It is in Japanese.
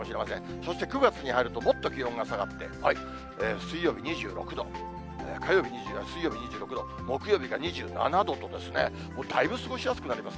そして、９月に入ると、もっと気温が下がって、水曜日２６度、火曜日２７度、水曜日２６度、木曜日が２７度と、だいぶ過ごしやすくなります。